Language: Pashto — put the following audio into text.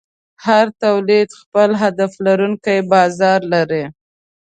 هر تولید خپل هدف لرونکی بازار لري.